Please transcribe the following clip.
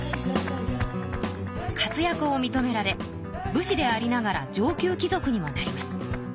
活やくをみとめられ武士でありながら上級貴族にもなります。